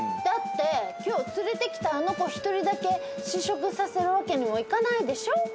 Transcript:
だって今日連れてきたあの子一人だけ試食させるわけにもいかないでしょ？